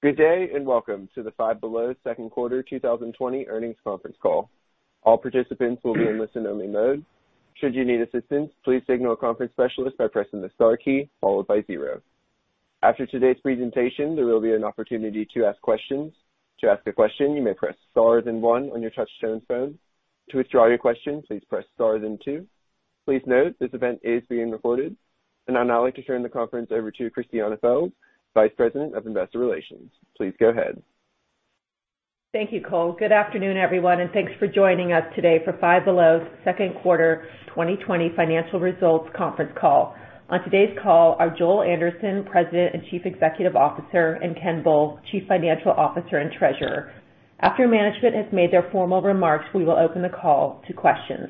Good day and welcome to the Five Below Second Quarter 2020 Earnings Conference Call. All participants will be in listen only mode. Should you need assistance, please signal a conference specialist by pressing the Star key followed by zero. After today's presentation there will be an opportunity to ask questions. To ask a question, you may press star then one on your touchstone phone. To withdraw your question, please press star then two. Please note this event is being recorded and I would now like to turn the conference over to Christiane Pelz, Vice President of Investor Relations. Please go ahead. Thank you, Cole. Good afternoon, everyone, and thanks for joining us today for Five Below's second quarter 2020 financial results conference call. On today's call are Joel Anderson, President and Chief Executive Officer, and Ken Bull, Chief Financial Officer and Treasurer. After management has made their formal remarks, we will open the call to questions.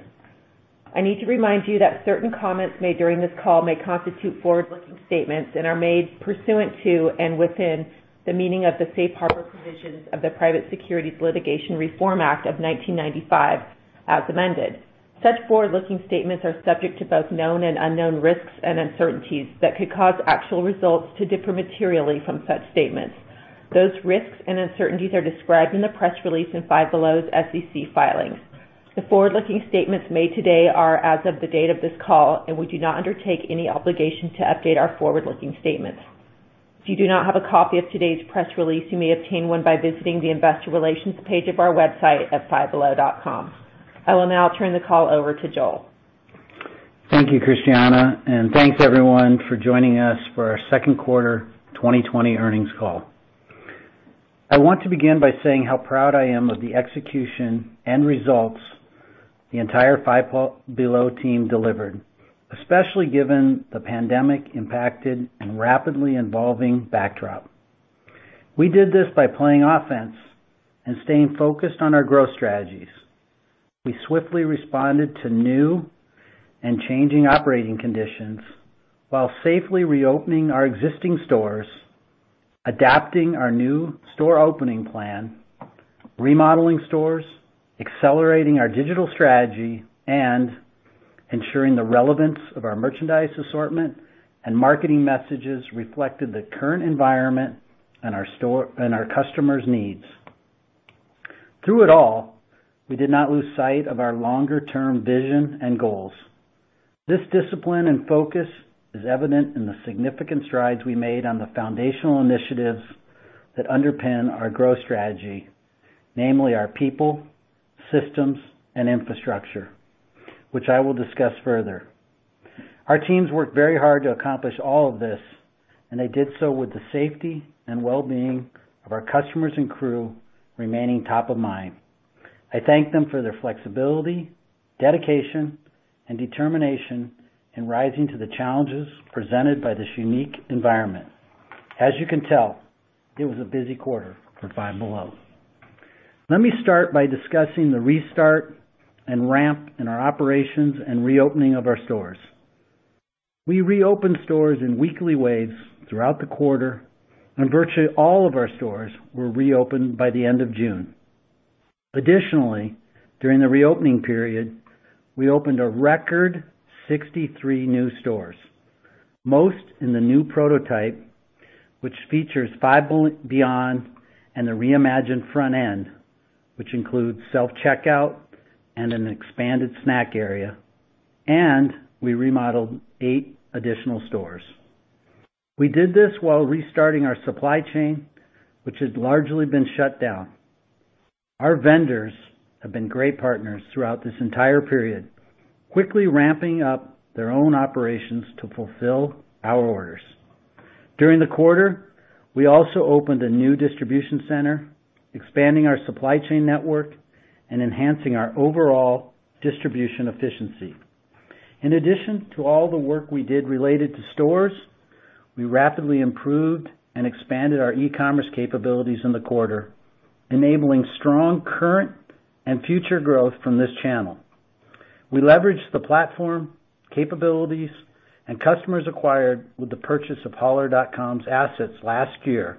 I need to remind you that certain comments made during this call may constitute forward-looking statements and are made pursuant to and within the meaning of the safe harbor provisions of the Private Securities Litigation Reform Act of 1995 as amended. Such forward-looking statements are subject to both known and unknown risks and uncertainties that could cause actual results to differ materially from such statements. Those risks and uncertainties are described in the press release and Five Below's SEC filings. The forward looking statements made today are as of the date of this call and we do not undertake any obligation to update our forward looking statements. If you do not have a copy of today's press release, you may obtain one by visiting the Investor Relations page of our website at fivebelow.com. I will now turn the call over to Joel. Thank you, Christiane, and thanks everyone for joining us for our second quarter 2020 earnings call. I want to begin by saying how proud I am of the execution and results the entire Five Below team delivered, especially given the pandemic-impacted and rapidly evolving backdrop. We did this by playing offense and staying focused on our growth strategies. We swiftly responded to new and changing operating conditions while safely reopening our existing stores, adapting our new store opening plan, remodeling stores, accelerating our digital strategy, and ensuring the relevance of our merchandise assortment and marketing messages reflected the current environment and our customers' needs. Through it all, we did not lose sight of our longer term vision and goals. This discipline and focus is evident in the significant strides we made on the foundational initiatives that underpin our growth strategy, namely our people, systems, and infrastructure, which I will discuss further. Our teams worked very hard to accomplish all of this, and they did so with the safety and well-being of our customers and crew remaining top of mind. I thank them for their flexibility, dedication, and determination in rising to the challenges presented by this unique environment. As you can tell, it was a busy quarter for Five Below. Let me start by discussing the restart and ramp in our operations and reopening of our stores. We reopened stores in weekly waves throughout the quarter, and virtually all of our stores were reopened by the end of June. Additionally, during the reopening period we opened a record 63 new stores, most in the new prototype which features Five Beyond and the reimagined front end which includes self-checkout and an expanded snack area, and we remodeled eight additional stores. We did this while restarting our supply chain, which had largely been shut down. Our vendors have been great partners throughout this entire period, quickly ramping up their own operations to fulfill our orders. During the quarter, we also opened a new distribution center, expanding our supply chain network and enhancing our overall distribution efficiency. In addition to all the work we did related to stores, we rapidly improved and expanded our ecommerce capabilities in the quarter, enabling strong current and future growth from this channel. We leveraged the platform, capabilities and customers acquired with the purchase of Holler.com's assets last year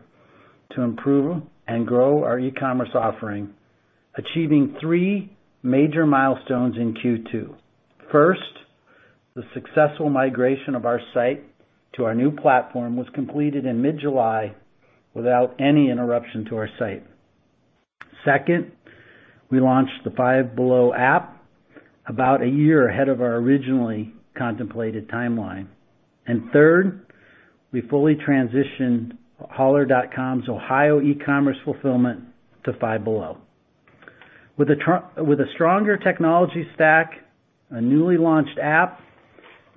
to improve and grow our ecommerce offering, achieving three major milestones in Q2. First, the successful migration of our site to our new platform was completed in mid July without any interruption to our site. Second, we launched the Five Below app about a year ahead of our originally contemplated timeline. Third, we fully transitioned Holler.com's Ohio ecommerce fulfillment to Five Below. With a stronger technology stack, a newly launched app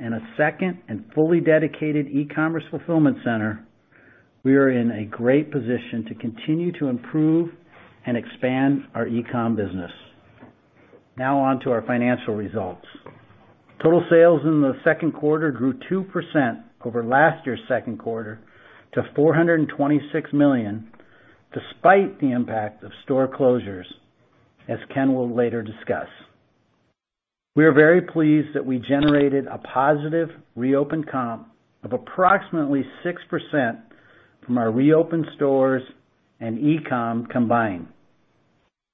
and a second and fully dedicated ecommerce fulfillment center, we are in a great position to continue to improve and expand our ecom business. Now onto our financial results. Total sales in the second quarter grew 2% over last year's second quarter to $426 million. Despite the impact of store closures, as Ken will later discuss. We are very pleased that we generated a positive reopen comp of approximately 6% from our reopened stores and ecom combined.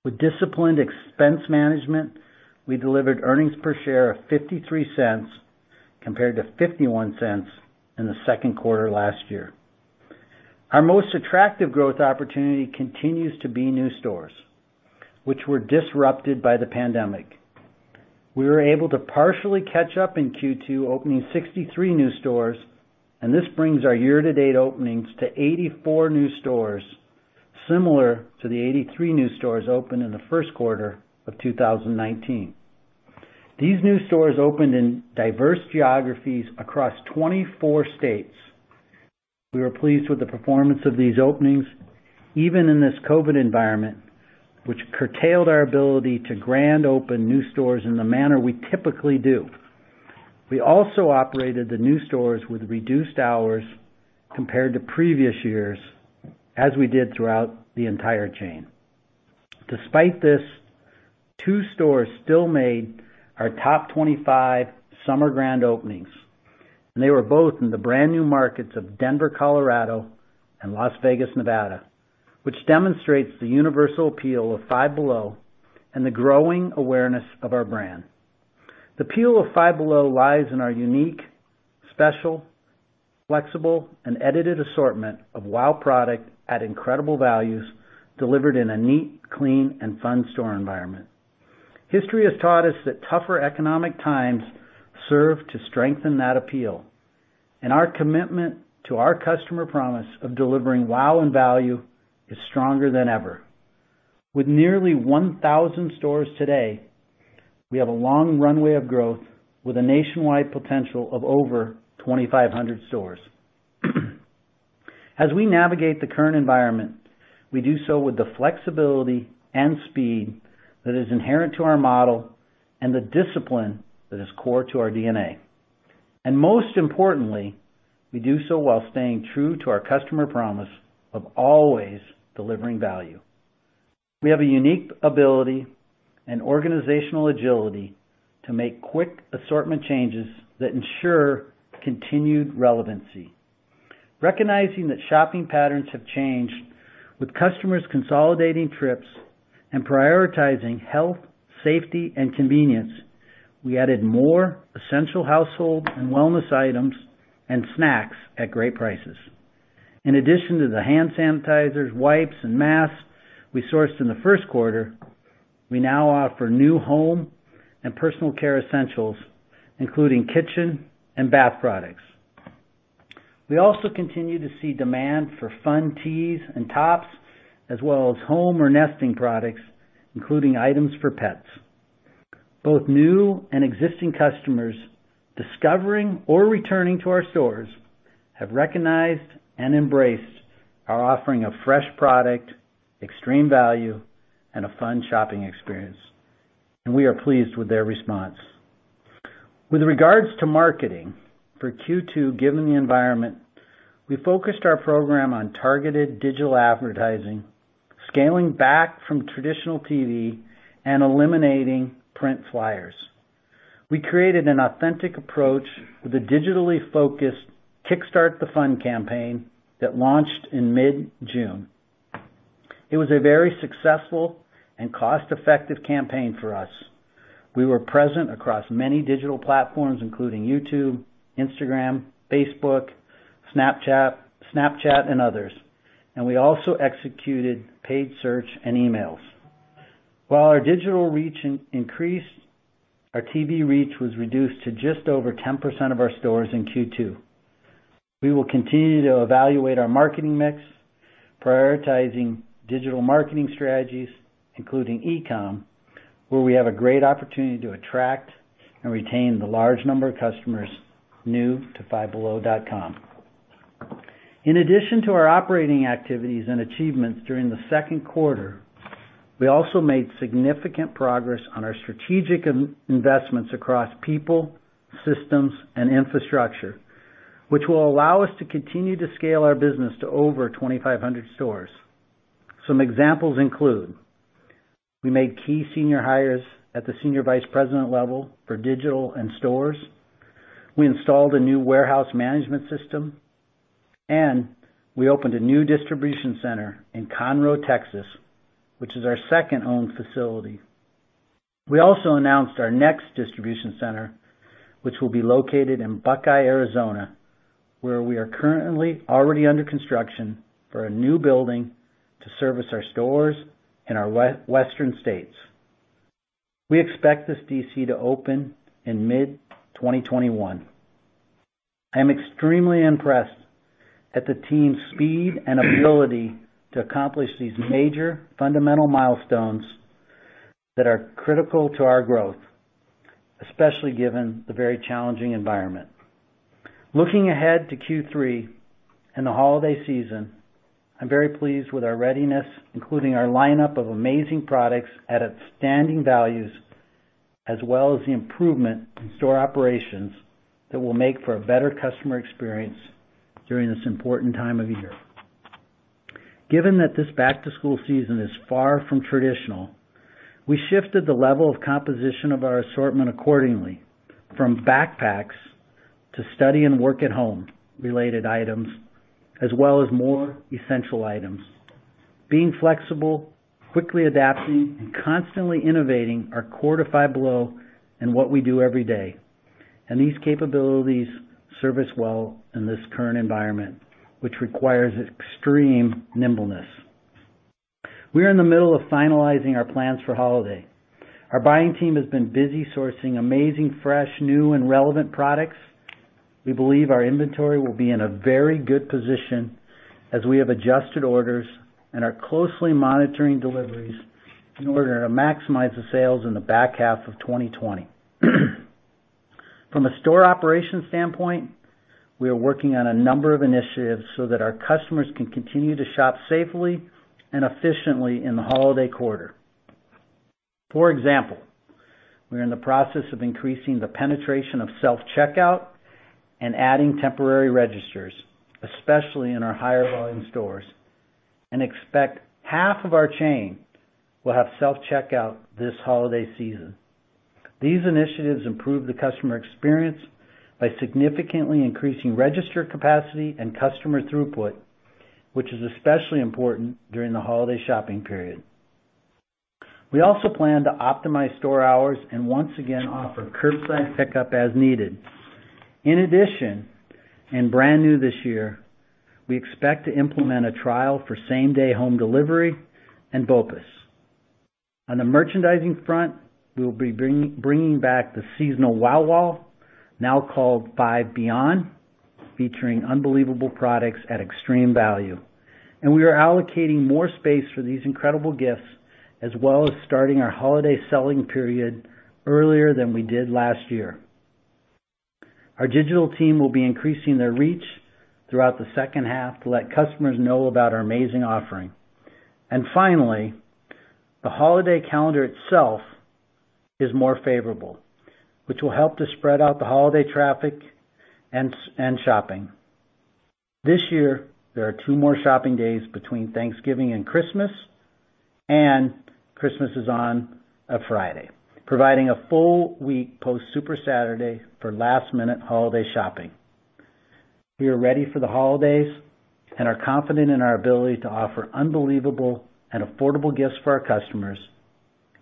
With disciplined expense management, we delivered earnings per share of $0.53 compared to $0.51 in the second quarter last year. Our most attractive growth opportunity continues to be new stores, which were disrupted by the pandemic. We were able to partially catch up in Q2, opening 63 new stores, and this brings our year-to-date openings to 84 new stores, similar to the 83 new stores opened in the first quarter of 2019. These new stores opened in diverse geographies across 24 states. We were pleased with the performance of these openings even in this COVID environment, which curtailed our ability to grand open new stores in the manner we typically do. We also operated the new stores with reduced hours compared to previous years, as we did throughout the entire chain. Despite this, two stores still made our top 25 summer grand openings and they were both in the brand new markets of Denver, Colorado and Las Vegas, Nevada, which demonstrates the universal appeal of Five Below and the growing awareness of our brand. The appeal of Five Below lies in our unique, special, flexible and edited assortment of WOW product at incredible values delivered in a neat, clean and fun store environment. History has taught us that tougher economic times serve to strengthen that appeal and our commitment to our customer promise of delivering WOW and value is stronger than ever. With nearly 1,000 stores today, we have a long runway of growth with a nationwide potential of over 2,500 stores. As we navigate the current environment, we do so with the flexibility and speed that is inherent to our model and the discipline that is core to our DNA. Most importantly, we do so while staying true to our customer promise of always delivering value. We have a unique ability and organizational agility to make quick assortment changes that ensure continued relevancy. Recognizing that shopping patterns have changed with customers consolidating trips and prioritizing health, safety, and convenience, we added more essential household and wellness items and snacks at great prices. In addition to the hand sanitizers, wipes, and masks we sourced in the first quarter, we now offer new home and personal care essentials including kitchen and bath products. We also continue to see demand for fun tees and tops as well as home or nesting products including items for pets. Both new and existing customers discovering or returning to our stores have recognized and embraced our offering of fresh product, extreme value, and a fun shopping experience, and we are pleased with their response with regards to marketing for Q2. Given the environment, we focused our program on targeted digital advertising, scaling back from traditional TV and eliminating print flyers. We created an authentic approach with a digitally focused Kickstart the Fun campaign that launched in mid June. It was a very successful and cost effective campaign for us. We were present across many digital platforms including YouTube, Instagram, Facebook, Snapchat, and others, and we also executed paid search and emails. While our digital reach increased, our TV reach was reduced to just over 10% of our stores in Q2. We will continue to evaluate our marketing mix, prioritizing digital marketing strategies including ecom where we have a great opportunity to attract and retain the large number of customers new to fivebelow.com. In addition to our operating activities and achievements during the second quarter, we also made significant progress on our strategic amendment investments across people, systems, and infrastructure, which will allow us to continue to scale our business to over 2,500 stores. Some examples include we made key senior hires at the Senior Vice President level for digital and stores, we installed a new warehouse management system, and we opened a new distribution center in Conroe, Texas, which is our second owned facility. We also announced our next distribution center, which will be located in Buckeye, Arizona, where we are currently already under construction for a new building to service our stores in our western states. We expect this DC to open in mid 2021. I am extremely impressed at the team's speed and ability to accomplish these major fundamental milestones that are critical to our growth, especially given the very challenging environment. Looking ahead to Q3 and the holiday season, I'm very pleased with our readiness, including our lineup of amazing products at outstanding values as well as the improvement in store operations that will make for a better customer experience during this important time of year. Given that this back to school season is far from traditional, we shifted the level and composition of our assortment accordingly from backpacks to study and work at home related items as well as more essential items. Being flexible, quickly adapting and constantly innovating are core to Five Below and what we do every day, and these capabilities serve us well in this current environment which requires extreme nimbleness. We are in the middle of finalizing our plans for holiday. Our buying team has been busy sourcing amazing, fresh, new and relevant products. We believe our inventory will be in a very good position as we have adjusted orders and are closely monitoring deliveries in order to maximize the sales in the back half of 2020. From a store operations standpoint, we are working on a number of initiatives so that our customers can continue to shop safely and efficiently in the holiday quarter. For example, we're in the process of increasing the penetration of self-checkout and adding temporary registers, especially in our higher volume stores and expect half of our chain will have self-checkout this holiday season. These initiatives improve the customer experience by significantly increasing register capacity and customer throughput, which is especially important during the holiday shopping period. We also plan to optimize store hours and once again offer curbside pickup as needed. In addition, and brand new this year, we expect to implement a trial for same day home delivery and BOPIS. On the merchandising front, we will be bringing back the seasonal WOW Wall, now called Five Beyond, featuring unbelievable products at extreme value, and we are allocating more space for these incredible gifts as well as starting our holiday selling period earlier than we did last year. Our digital team will be increasing their reach throughout the second half to let customers know about our amazing offering. Finally, the holiday calendar itself is more favorable, which will help to spread out the holiday traffic and shopping. This year there are two more shopping days between Thanksgiving and Christmas and Christmas is on Friday, providing a full week post Super Saturday for last minute holiday shopping. We are ready for the holidays and are confident in our ability to offer unbelievable and affordable gifts for our customers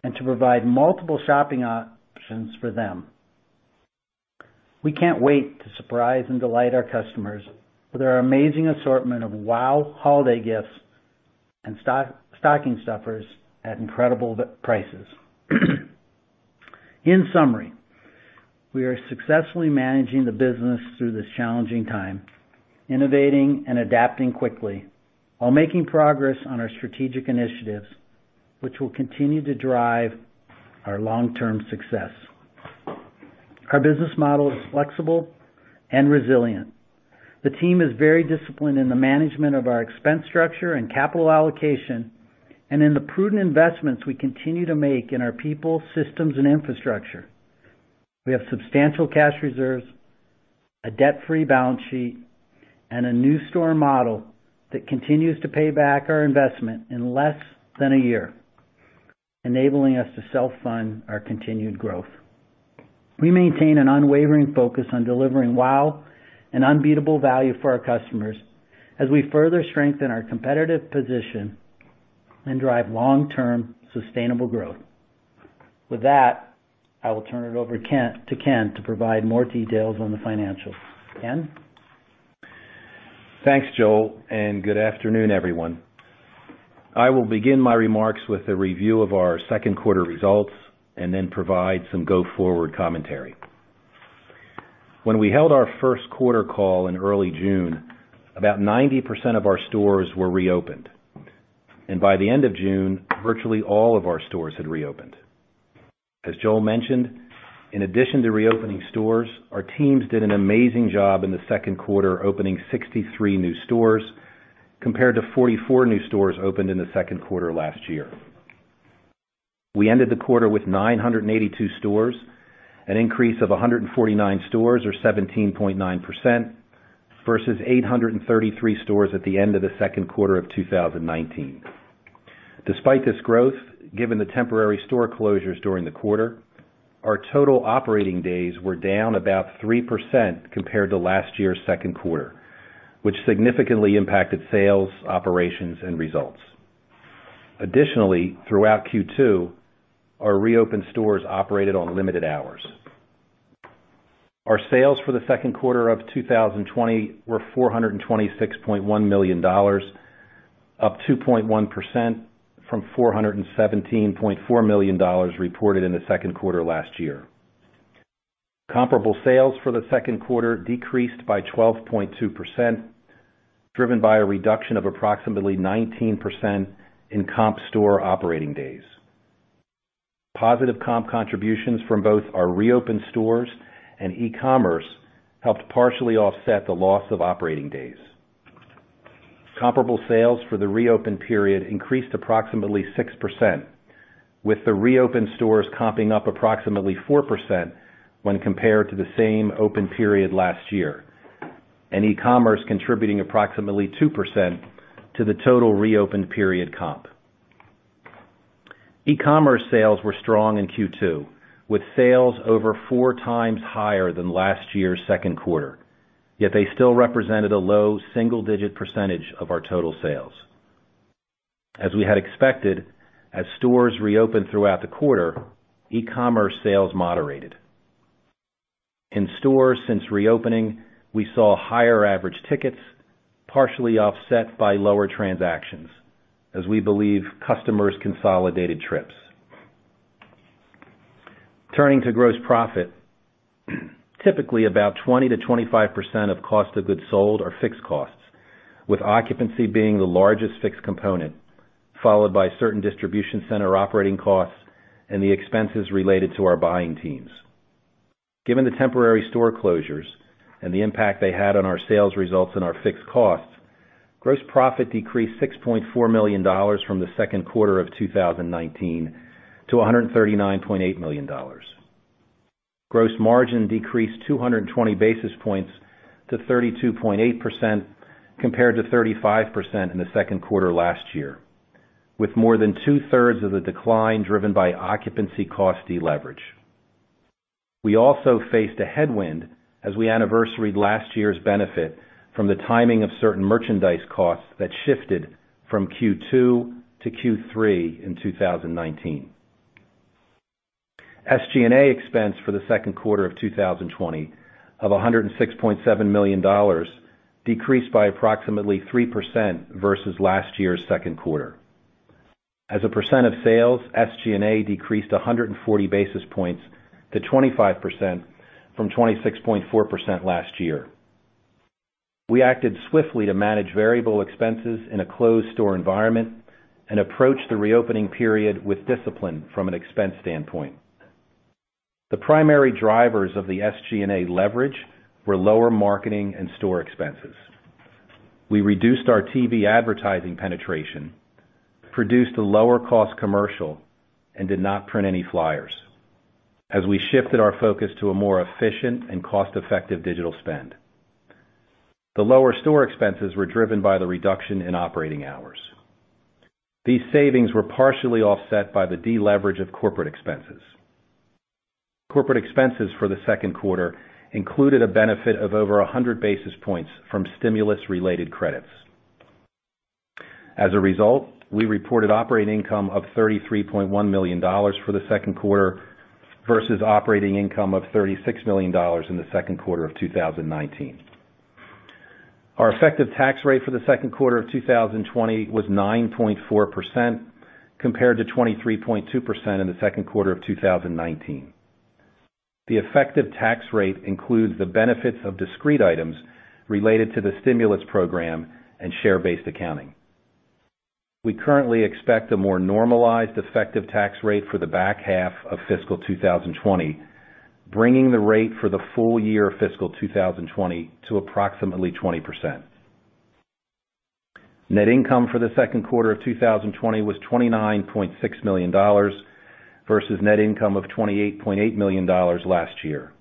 and to provide multiple shopping options for them. We can't wait to surprise and delight our customers with our amazing assortment of WOW holiday gifts and stocking stuffers at incredible prices. In summary, we are successfully managing the business through this challenging time, innovating and adapting quickly while making progress on our strategic initiatives, which will continue to drive our long term success. Our business model is flexible and resilient. The team is very disciplined in the management of our expense structure and capital allocation and in the prudent investments we continue to make in our people, systems, and infrastructure. We have substantial cash reserves, a debt free balance sheet and a new store model that continues to pay back our investment in less than a year enabling us to self fund our continued growth. We maintain an unwavering focus on delivering WOW and unbeatable value for our customers as we further strengthen our competitive position and drive long term sustainable growth. With that, I will turn it over to Ken to provide more details on the financials. Ken. Thanks Joel and good afternoon everyone. I will begin my remarks with a review of our second quarter results and then provide some go forward commentary. When we held our first quarter call in early June, about 90% of our stores were reopened and by the end of June virtually all of our stores had reopened. As Joel mentioned, in addition to reopening stores, our teams did an amazing job in the second quarter, opening 63 new stores compared to 44 new stores opened in the second quarter last year. We ended the quarter with 982 stores, an increase of 149 stores or 17.9% versus 833 stores at the end of the second quarter of 2019. Despite this growth, given the temporary store closures during the quarter, our total operating days were down about 3% compared to last year's second quarter, which significantly impacted sales, operations and results. Additionally, throughout Q2, our reopened stores operated on limited hours. Our sales for the second quarter of 2020 were $426.1 million, up 2.1% from $417.4 million reported in the second quarter last year. Comparable sales for the second quarter decreased by 12.2% driven by a reduction of approximately 19% in comp store operating days. Positive comp contributions from both our reopened stores and ecommerce helped partially offset the loss of operating days. Comparable sales for the reopened period increased approximately 6% with the reopened stores comping up approximately 4% when compared to the same open period last year and ecommerce contributing approximately 2% to the total reopened period comp Ecommerce sales were strong in Q2 with sales over four times higher than last year's second quarter, yet they still represented a low single-digit percentage of our total sales. As we had expected, as stores reopened throughout the quarter, ecommerce sales moderated. In stores since reopening, we saw higher average tickets partially offset by lower transactions as we believe customers consolidated trips. Turning to gross profit, typically about 20%-25% of cost of goods sold are fixed costs with occupancy being the largest fixed component followed by certain distribution center operating costs and the expenses related to our buying teams. Given the temporary store closures and the impact they had on our sales results and our fixed costs, gross profit decreased $6.4 million from the second quarter of 2019 to $139.8 million. Gross margin decreased 220 basis points to 32.8% compared to 35% in the second quarter last year with more than two thirds of the decline driven by occupancy cost deleverage. We also faced a headwind as we anniversaried last year's benefit from the timing of certain merchandise costs that shifted from Q2 to Q3 in 2019. SG&A expense for the second quarter of 2020 of $106.7 million decreased by approximately 3% versus last year's second quarter. As a percent of sales, SG&A decreased 140 basis points to 25% from 26.4% last year. We acted swiftly to manage variable expenses in a closed store environment and approached the reopening period with discipline. From an expense standpoint, the primary drivers of the SG&A leverage were lower marketing and store expenses. We reduced our TV advertising penetration, produced a lower cost commercial and did not print any flyers as we shifted our focus to a more efficient and cost effective digital spend. The lower store expenses were driven by the reduction in operating hours. These savings were partially offset by the deleverage of corporate expenses. Corporate expenses for the second quarter included a benefit of over 100 basis points from stimulus related credits. As a result, we reported operating income of $33.1 million for the second quarter versus operating income of $36 million in the second quarter of 2019. Our effective tax rate for the second quarter of 2020 was 9.4% compared to 23.2% in the second quarter of 2019. The effective tax rate includes the benefits of discrete items related to the stimulus program and share based accounting. We currently expect a more normalized effective tax rate for the back half of fiscal 2020, bringing the rate for the full year of fiscal 2020 to approximately 20%. Net income for the second quarter of 2020 was $29.6 million versus net income of $28.8 million last year.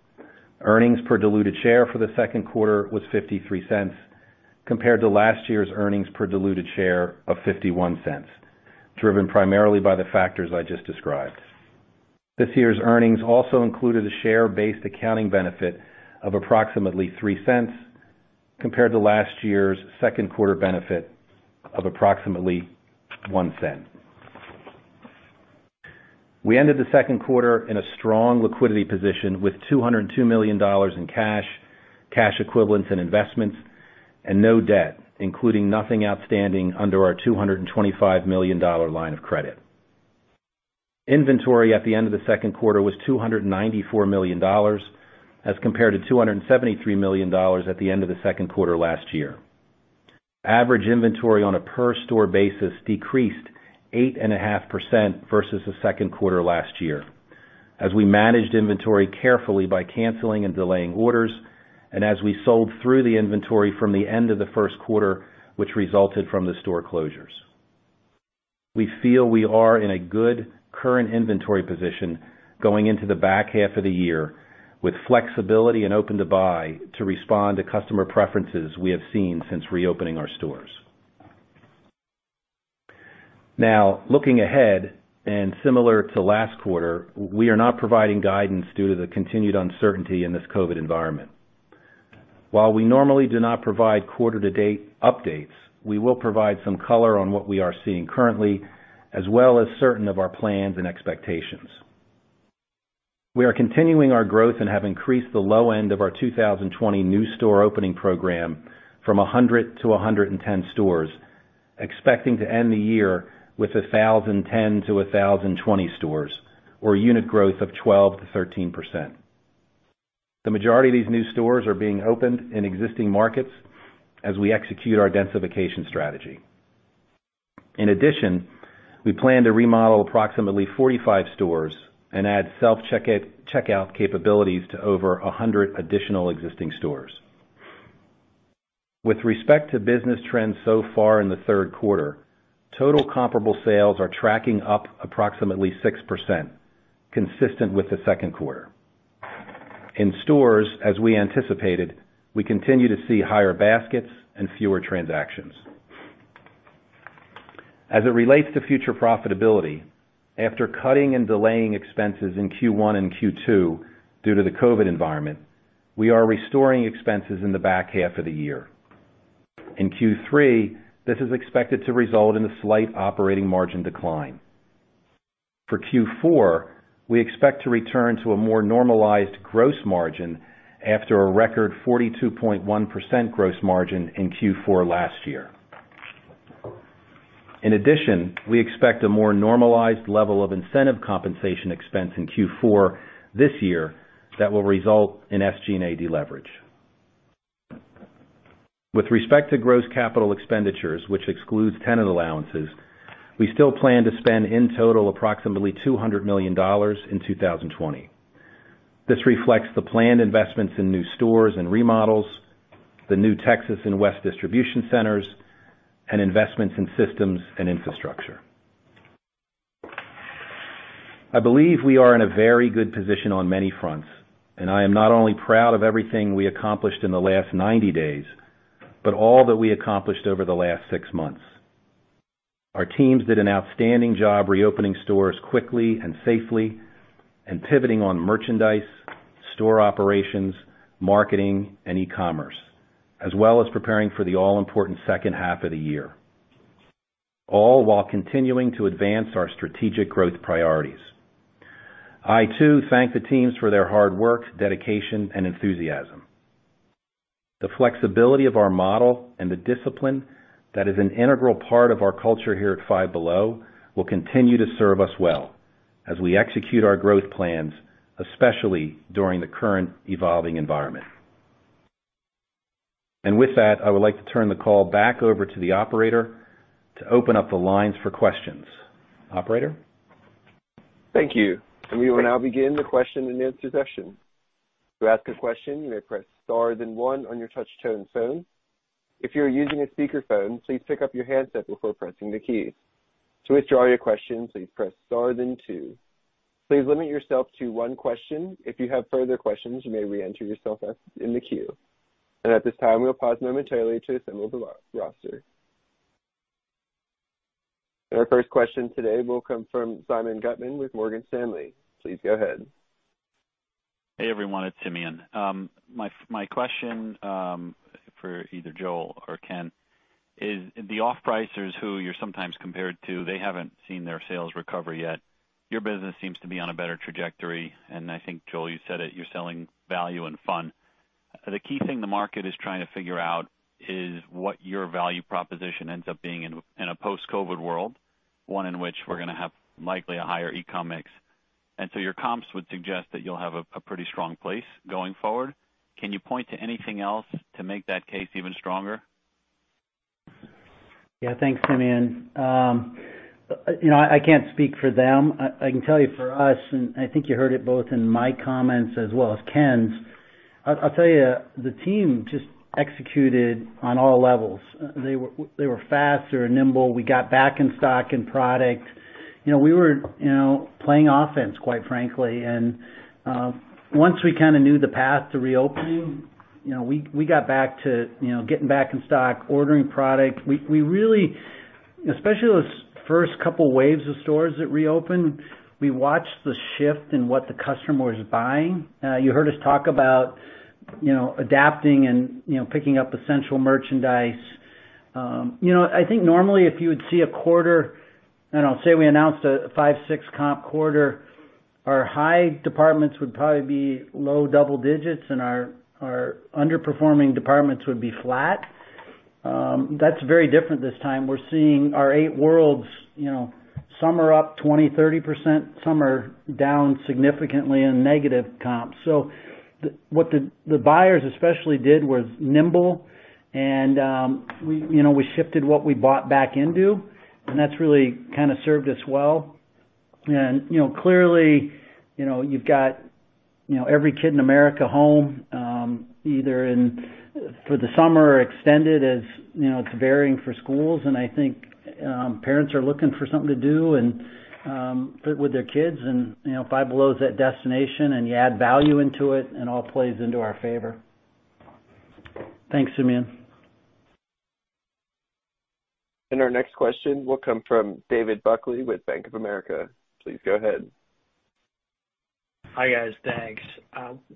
Earnings per diluted share for the second quarter was $0.53 compared to last year's earnings per diluted share of $0.51. Driven primarily by the factors I just described, this year's earnings also included a share based accounting benefit of approximately $0.03 compared to last year's second quarter benefit of approximately $0.01. We ended the second quarter in a strong liquidity position with $202 million in cash, cash equivalents and investments and no debt including nothing outstanding under our $225 million line of credit. Inventory at the end of the second quarter was $294 million as compared to $273 million at the end of the second quarter last year. Average inventory on a per store basis decreased 8.5% versus the second quarter last year as we managed inventory carefully by canceling and delaying orders and as we sold through the inventory from the end of the first quarter which resulted from the store closures. We feel we are in a good current inventory position going into the back half of the year with flexibility and open to buy to respond to customer preferences we have seen since reopening our stores. Now, looking ahead and similar to last quarter, we are not providing guidance due to the continued uncertainty in this COVID environment. While we normally do not provide quarter to date updates, we will provide some color on what we are seeing currently and as well as certain of our plans and expectations. We are continuing our growth and have increased the low end of our 2020 new store opening program from 100 to 110 stores, expecting to end the year with 1,010-1,020 stores or unit growth of 12%-13%. The majority of these new stores are being opened in existing markets as we execute our densification strategy. In addition, we plan to remodel approximately 45 stores and add self-checkout capabilities to over 100 additional existing stores. With respect to business trends so far in the third quarter, total comparable sales are tracking up approximately 6%, consistent with the second quarter. In stores, as we anticipated, we continue to see higher baskets and fewer transactions. As it relates to future profitability, after cutting and delaying expenses in Q1 and Q2 due to the COVID environment, we are restoring expenses in the back half of the year. In Q3, this is expected to result in a slight operating margin decline. For Q4, we expect to return to a more normalized gross margin after a record 42.1% gross margin in Q4 last year. In addition, we expect a more normalized level of incentive compensation expense in Q4 this year that will result in SG&A deleverage. With respect to gross capital expenditures, which excludes tenant allowances, we still plan to spend in total approximately $200 million in 2020. This reflects the planned investments in new stores and remodels, the new Texas and West distribution centers, and investments in systems and infrastructure. I believe we are in a very good position on many fronts and I am not only proud of everything we accomplished in the last 90 days, but all that we accomplished over the last six months. Our teams did an outstanding job reopening stores quickly and safely and pivoting on merchandise, store operations, marketing, and ecommerce as well as preparing for the all-important second half of the year, all while continuing to advance our strategic growth priorities. I too thank the teams for their hard work, dedication, and enthusiasm. The flexibility of our model and the discipline that is an integral part of our culture here at Five Below will continue to serve us well as we execute our growth plans, especially during the current evolving environment. With that, I would like to turn the call back over to the operator to open up the lines for questions. Operator. Thank you. We will now begin the question and answer session. To ask a question, you may press star then one on your touch tone phone. If you're using a speakerphone, please pick up your handset before pressing the key. To withdraw your question, please press star then two. Please limit yourself to one question. If you have further questions, you may re enter yourself in the queue and at this time we will pause momentarily to assemble the roster. Our first question today will come from Simeon Gutman with Morgan Stanley. Please go ahead. Hey everyone, it's Simeon. My question for either Joel or Ken is the off pricers who you're sometimes compared to, they haven't seen their sales recover yet. Your business seems to be on a better trajectory and I think Joel, you said it, you're selling value and fun. The key thing the market is trying to figure out is what your value proposition ends up being in a post-COVID world, one in which we're going to have likely a higher ecom mix. Your comps would suggest that you'll have a pretty strong place going forward. Can you point to anything else to make that case even stronger? Yes. Thanks, Simeon. I can't speak for them, I can tell you for us and I think you heard it both in my comments as well as Ken's. I'll tell you, the team just executed on all levels. They were fast, they were nimble. We got back in stock in product. We were playing offense quite frankly. Once we kind of knew the path to reopening, we got back to getting back in stock ordering product. We really, especially those first couple waves of stores that reopened, we watched the shift in what the customer was buying. You heard us talk about adapting and picking up essential merchandise. I think normally if you would see a quarter and I'll say we announced a 5, 6 comp quarter, our high departments would probably be low double digits and our underperforming departments would be flat. That is very different. This time we're seeing our eight worlds. Some are up 20%-30%, some are down significantly in negative comps. What the buyers especially did was nimble and we shifted what we bought back into and that has really kind of served us well. You know, clearly, you know, you've got, you know, every kid in America home either in for the summer or extended as you know, it's varying for schools and I think parents are looking for something to do with their kids and you know, Five Below is that destination and you add value into it, it all plays into our favor. Thanks, Simeon. Our next question will come from David Buckley with Bank of America. Please go ahead. Hi guys. Thanks.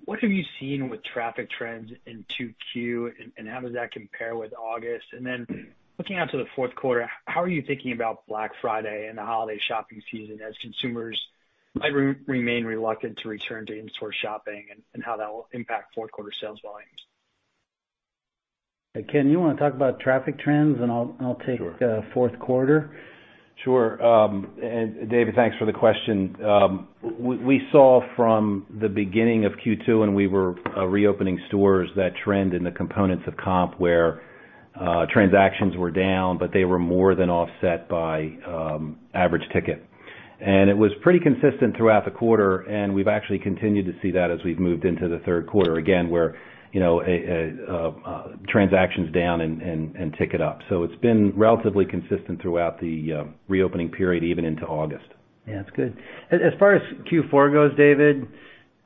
What have you seen with traffic trends in 2Q and how does that compare with August and then looking out to the fourth quarter, how are you thinking about Black Friday and the holiday shopping season as consumers remain reluctant to return to in-store shopping and how that will impact fourth quarter sales volumes? Ken, you want to talk about traffic trends and I'll take fourth quarter. Sure. David, thanks for the question. We saw from the beginning of Q2 when we were reopening stores that trend in the components of comp where transactions were down but they were more than offset by average ticket, and it was pretty consistent throughout the quarter, and we've actually continued to see that as we've moved into the third quarter, third quarter again, where, you know, transactions down and ticket up. It has been relatively consistent throughout the reopening period, even into August. Yeah, that's good. As far as Q4 goes, David,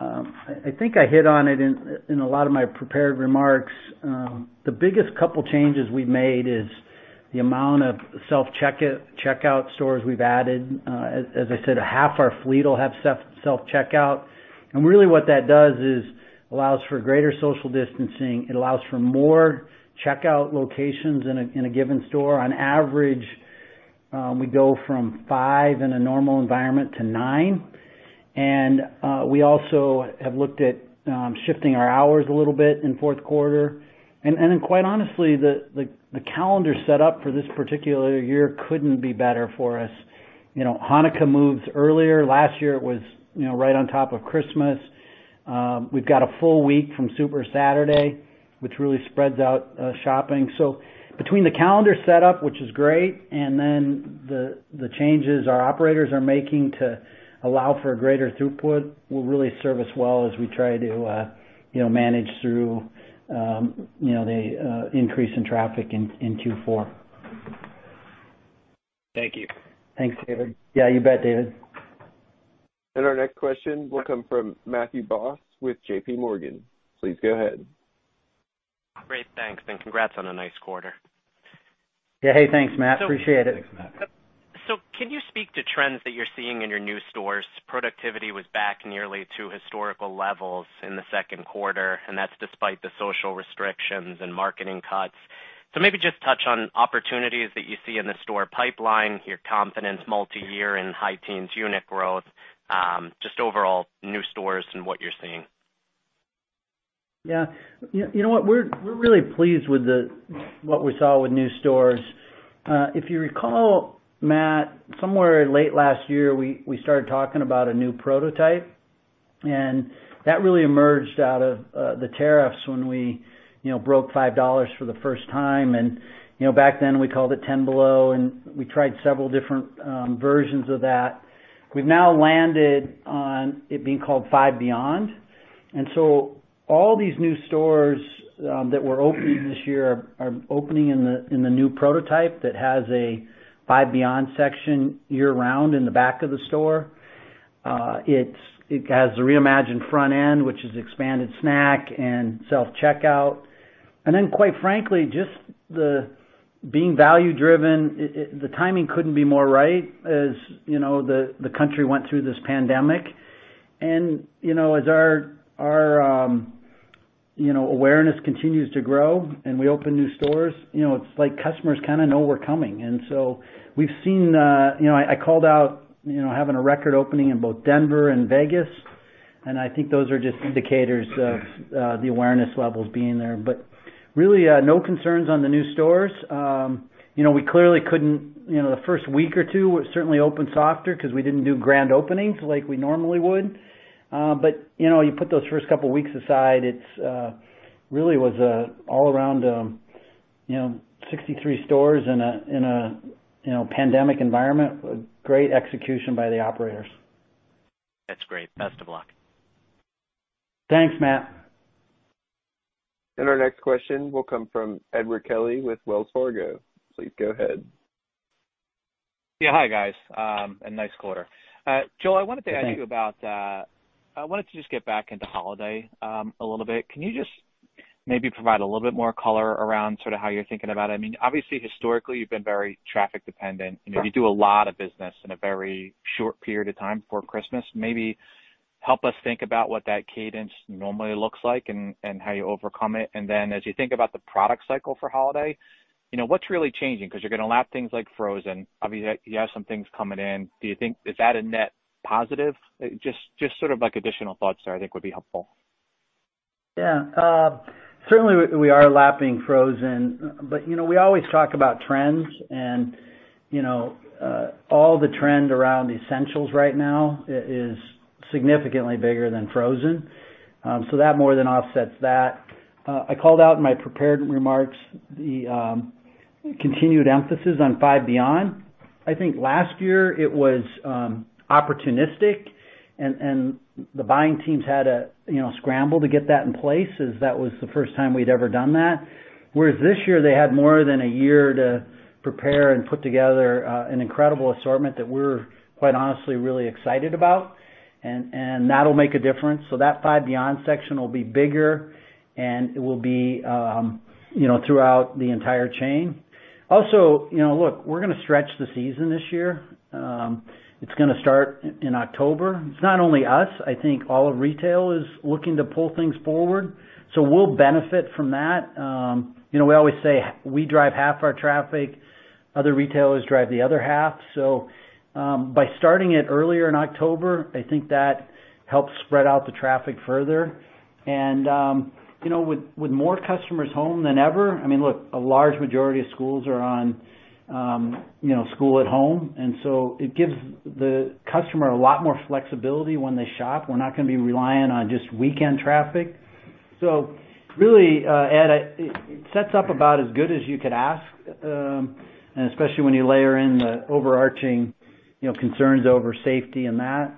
I think I hit on it in a lot of my prepared remarks. The biggest couple changes we've made is the amount of self checkout stores we've added. As I said, half our fleet will have self checkout. Self checkout. Really what that does is allows for greater social distancing. It allows for more checkout locations in a given store. On average we go from five in a normal environment to nine. We also have looked at shifting our hours a little bit in fourth quarter. Quite honestly, the calendar set up for this particular year couldn't be better for us. You know, Hanukkah moves earlier. Last year, it was right on top of Christmas. We've got a full week from Super Saturday which really spreads out shopping. Between the calendar setup, which is great, and then the changes our operators are making to allow for a greater throughput will really serve us well as we try to manage through the increase in traffic in Q4. Thank you. Thanks, David. Yeah, you bet, David. Our next question will come from Matthew Boss with JP Morgan. Please go ahead. Great, thanks. Congrats on a nice quarter. Hey, thanks Matt. Appreciate it. Can you speak to trends that you're seeing in your new stores? Productivity was back nearly to historical levels in the second quarter, and that's despite the social restrictions and marketing cuts. Maybe just touch on opportunities that you see in the store pipeline. Your confidence, multiyear and high teens unit growth, just overall new stores and what you're seeing. Yeah, you know what, we're really pleased with what we saw with new stores. If you recall, Matt, somewhere late last year we started talking about a new prototype and that really emerged out of the tariffs when we broke $5 for the first time. Back then we called it 10 Below and we tried several different versions of that. We've now landed on it being called Five Beyond. All these new stores that are opening this year are opening in the new prototype that has a Five Beyond section year round in the back of the store. It has the reimagined front end, which is expanded snack and self checkout. Quite frankly, just the being value driven, the timing could not be more right. As you know, the country went through this pandemic and, you know, as our awareness continues to grow and we open new stores, you know, it is like customers kind of know we are coming. We have seen, you know, I called out having a record opening in both Denver and Vegas. I think those are just indicators of the awareness levels being there. Really no concerns on the new stores. We clearly could not, you know, the first week or two certainly open softer because we did not do grand openings like we normally would. You put those first couple weeks aside, it really was all around 63 stores in a pandemic environment. Great execution by the operators. That is great. Best of luck. Thanks, Matt. Our next question will come from Edward Kelly with Wells Fargo. Please go ahead. Yeah. Hi guys. A nice quarter. Joel, I wanted to ask you about, I wanted to just get back into holiday a little bit. Can you just maybe provide a little bit more color around sort of how you're thinking about it? I mean, obviously historically you've been very traffic dependent. You do a lot of business in a very short period of time for Christmas. Maybe help us think about what that cadence normally looks like and how you overcome it. As you think about the product cycle for holiday, you know, what's really changing because you're going to lap things like Frozen. You have some things coming in. Do you think? Is that a net positive? Just sort of like additional thoughts there, I think would be helpful. Yeah, certainly we are lapping Frozen, but you know, we always talk about trends and, you know, all the trend around essentials right now is significantly bigger than Frozen. That more than offsets that. I called out in my prepared remarks the continued emphasis on Five Beyond. I think last year it was opportunistic and the buying teams had to, you know, scramble to get that in place as that was the first time we'd ever done that. Whereas this year they had more than a year to prepare and put together an incredible assortment that we're, quite honestly, really excited about and that'll make a difference. That Five Beyond section will be bigger and it will be, you know, throughout the entire chain. Also, you know, look, we're going to stretch the season this year. It's going to start in October. It's not only us. I think all of retail is looking to pull things forward, so we'll benefit from that. You know, we always say we drive half our traffic. Other retailers drive the other half. By starting it earlier in October, I think that helps spread out the traffic further and, you know, with more customers home than ever. I mean, look, a large majority of schools are on, you know, school at home. It gives the customer a lot more flexibility when they shop. We're not going to be relying on just weekend traffic. Really, Ed, it sets up about as good as you could ask, especially when you layer in the overarching concerns over safety and that.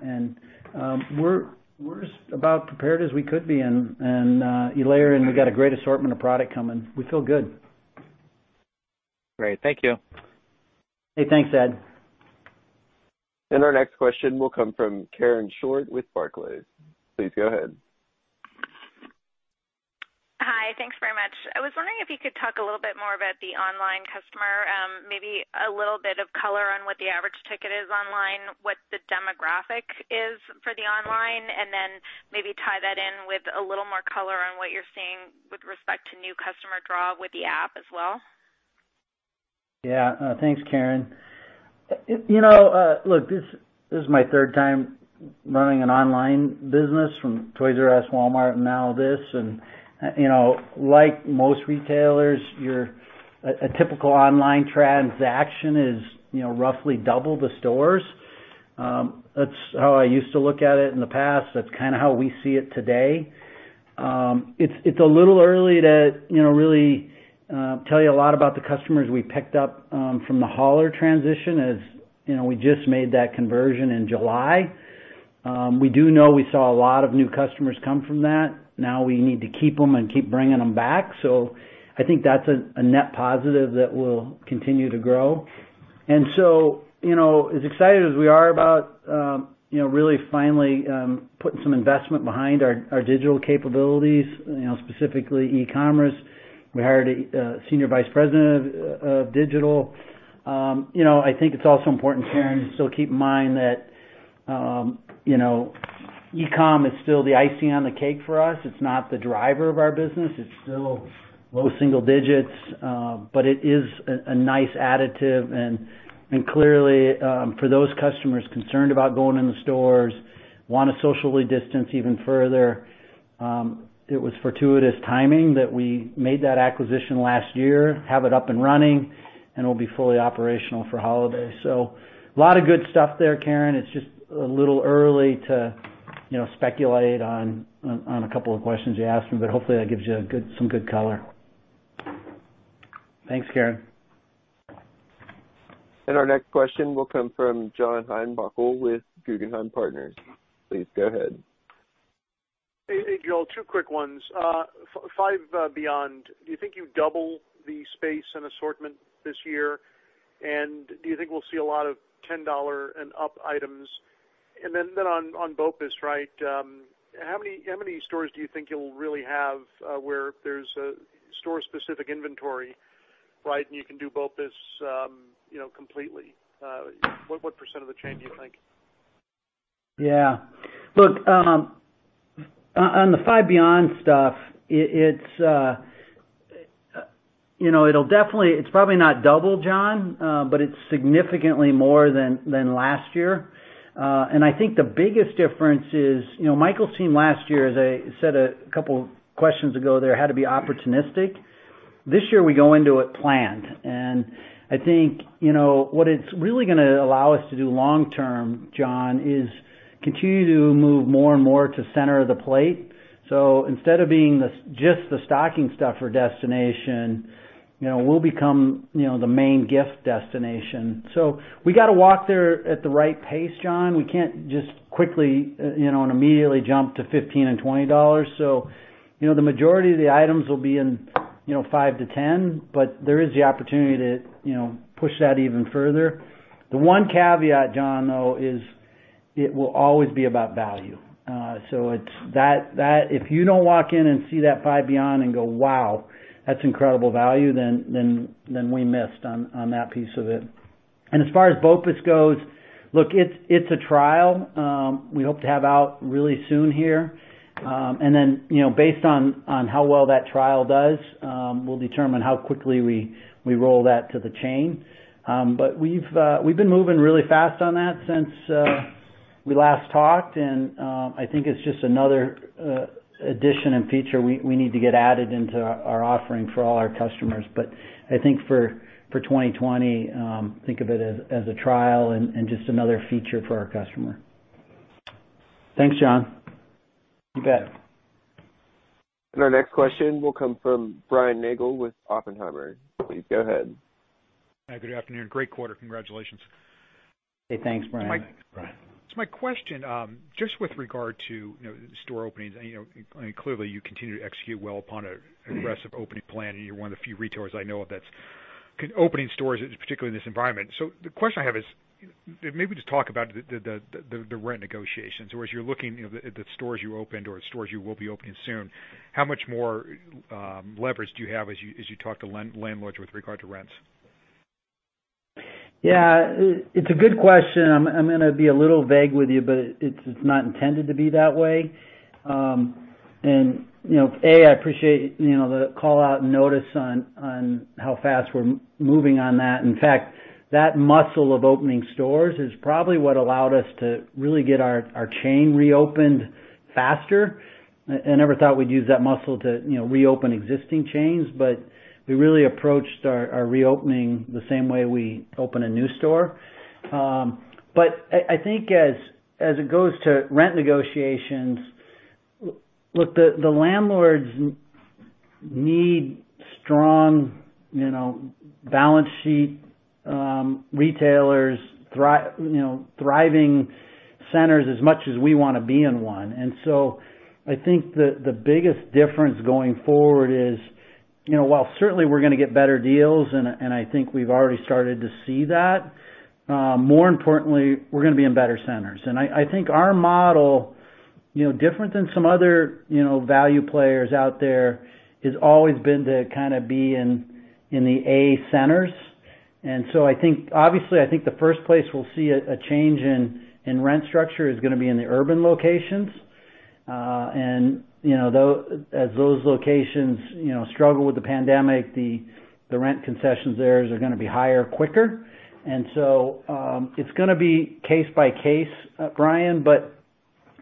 We're about prepared as we could be. You layering, we got a great assortment of product coming. We feel good. Great, thank you. Hey, thanks, Ed. Our next question will come from Karen Short with Barclays. Please go ahead. Hi. Thanks very much. I was wondering if you could talk a little bit more about the online customer. Maybe a little bit of color on what the average ticket is online, what the demographic is for the online, and then maybe tie that in with a little more color on what you're seeing with respect to new customer draw with the app as well. Yeah, thanks, Karen. You know, look, this is my third time running an online business from Toys R Us, Walmart, and now this. You know, like most retailers, your typical online transaction is, you know, roughly double the stores. That's how I used to look at it in the past. That's kind of how we see it today. It's a little early to, you know, really tell you a lot about the customers we picked up from the Holler transition. As you know, we just made that conversion in July. We do know we saw a lot of new customers come from that. Now we need to keep them and keep bringing them back. I think that's a net positive that will continue to grow. You know, as excited as we are about, you know, really finally putting some investment behind our digital capabilities, specifically ecommerce, we hired a Senior Vice President of Digital. You know, I think it's also important, Karen, to still keep in mind that, you know, e-com is still the icing on the cake for us. It's not the driver of our business. It's still low single digits, but it is a nice additive and clearly for those customers concerned about going in the stores, want to socially distance even further. It was fortuitous timing that we made that acquisition last year, have it up and running and it will be fully operational for holiday. A lot of good stuff there, Karen. It's just a little early to speculate on a couple of questions you asked me, but hopefully that gives you some good color. Thanks, Karen. Our next question will come from John Heinbockel with Guggenheim Partners. Please go ahead. Hey, Joel, two quick ones. Five Beyond. Do you think you double the space and assortment this year. Do you think we'll see a lot of $10 and up items? On BOPIS, right, how many stores do you think you'll really have where there's store specific inventory? Right. You can do BOPIS completely. What percent of the change do you think? Yeah, look, on the Five Beyond stuff, it's, you know, it'll definitely, it's probably not double, John, but it's significantly more than last year. I think the biggest difference is, you know, Michael's team last year, as I said a couple questions ago, they had to be opportunistic. This year, we go into it planned, and I think what it's really going to allow us to do long term, John, is continue to move more and more to center of the plate. Instead of being just the stocking stuffer destination, we'll become the main gift destination. We have to walk there at the right pace, John. We can't just quickly immediately jump to $15 and $20. The majority of the items will be in, you know, $5 to $10. There is the opportunity to, you know, push that even further. The one caveat, John, though, is it will always be about value. If you do not walk in and see that Five Beyond and go, wow, that is incredible value, then we missed on that piece of it. As far as BOPIS goes, look, it is a trial we hope to have out really soon here. Based on how well that trial does, we will determine how quickly we roll that to the chain. We have been moving really fast on that since we last talked. I think it is just another addition and feature we need to get added into our offering for all our customers. I think for 2020, think of it as a trial and just another feature for our customer. Thanks, John. You bet. Our next question will come from Brian Nagel with Oppenheimer. Please go ahead. Good afternoon. Great quarter. Congratulations. Hey, thanks, Brian. My question just with regard to store openings, clearly you continue to execute well upon an aggressive opening plan. You are one of the few retailers I know of that is opening stores, particularly in this environment. The question I have is maybe just talk about the rent negotiations or as you are looking at the stores you opened or stores you will be opening soon. How much more leverage do you have as you talk to landlords with regard to rents? Yeah, it is a good question. I am going to be a little vague with you but it is not intended to be that way. I appreciate the call out notice on how fast we are moving on that. In fact, that muscle of opening stores is probably what allowed us to really get our chain reopened faster. I never thought we'd use that muscle to reopen existing chains, but we really approached our reopening the same way we open a new store. I think as it goes to rent negotiations, look, the landlords need strong balance sheet retailers, thriving centers as much as we want to be in one. I think the biggest difference going forward is while certainly we're going to get better deals and I think we've already started to see that, more importantly, we're going to be in better centers. I think our model, you know, different than some other, you know, value players out there, has always been to kind of be in the A centers. I think, obviously, I think the first place we'll see a change in rent structure is going to be in the urban locations and, you know, as those locations, you know, struggle with the pandemic, the rent concessions there are going to be higher, quicker, and so it's going to be case by case, Brian.